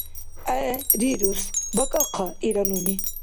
— ГӀе, рирус, бакӀахъа, — ира нуни.